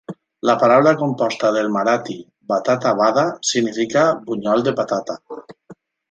La paraula composta del marathi "batata vada" significa bunyol de patata.